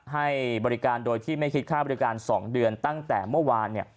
ให้บริการโดยที่ไม่คิดค่าบริการ๒เดือนตั้งแต่เมื่อวาน